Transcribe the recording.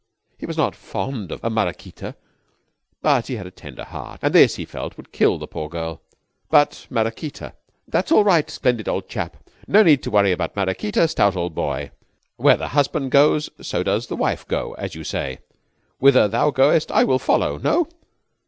He was not fond of Maraquita, but he had a tender heart, and this, he felt, would kill the poor girl. "But Maraquita ?" "That's all right, splendid old chap. No need to worry about Maraquita, stout old boy. Where the husband goes, so does the wife go. As you say, whither thou goes will I follow. No?"